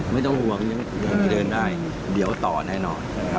ไม่ต้องห่วงเดินได้เดี๋ยวต่อแน่นอน